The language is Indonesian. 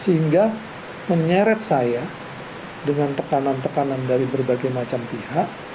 sehingga menyeret saya dengan tekanan tekanan dari berbagai macam pihak